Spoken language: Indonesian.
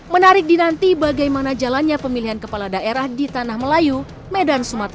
menarik dinanti bagaimana jalannya pemilihan kepentingan